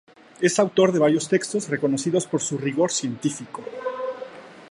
Es autor de varios textos reconocidos por su rigor científico.